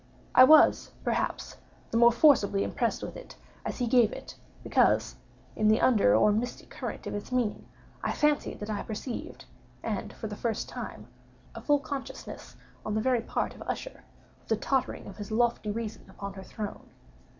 I was, perhaps, the more forcibly impressed with it, as he gave it, because, in the under or mystic current of its meaning, I fancied that I perceived, and for the first time, a full consciousness on the part of Usher of the tottering of his lofty reason upon her throne.